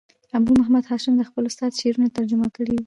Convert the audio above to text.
ابو محمد هاشم دخپل استاد شعرونه ترجمه کړي دي.